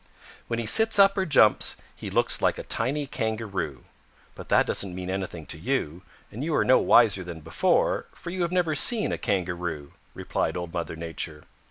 "When he sits up or jumps he looks like a tiny Kangaroo. But that doesn't mean anything to you, and you are no wiser than before, for you never have seen a Kangaroo," replied Old Mother Nature.